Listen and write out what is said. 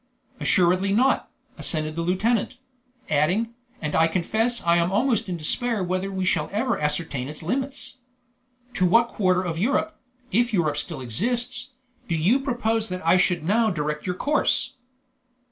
"Assuredly not," assented the lieutenant; adding, "and I confess I am almost in despair whether we shall ever ascertain its limits. To what quarter of Europe, if Europe still exists, do you propose that I should now direct your course?"